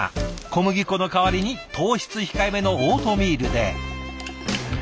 小麦粉の代わりに糖質控えめのオートミールで。